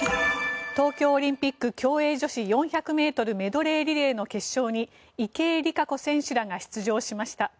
東京オリンピック競泳女子４００ｍメドレーリレーの決勝に池江璃花子選手らが出場しました。